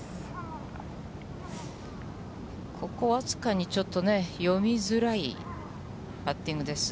ここは僅かにちょっとね、読みづらいパッティングです。